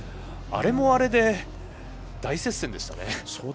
あれもあれで大接戦でした。